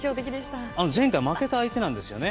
前回負けた相手なんですよね。